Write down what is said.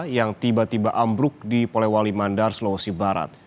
yang tiba tiba ambruk di polewali mandar sulawesi barat